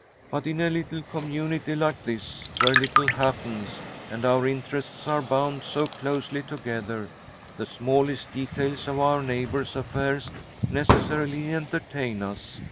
"But in a little community like this, where little happens, and our interests are bound so closely together, the smallest details of our neighbours' affairs necessarily entertain us.